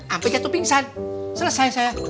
ampe jatuh pingsan selesai saya